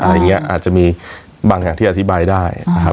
อาจจะมีบางอย่างที่อธิบายได้